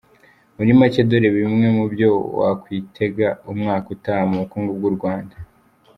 Muri make dore bimwe mu byo wakwitega umwaka utaha ku bukungu bw’u Rwanda:.